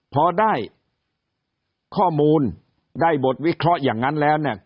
พอได้ข้อมูลได้บทวิเคราะห์อย่างนั้นแล้วเนี่ย